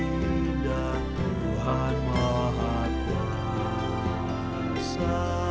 indah tuhan mahat bangsa